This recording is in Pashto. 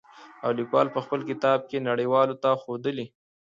او ليکوال په خپل کتاب کې نړۍ والو ته ښودلي.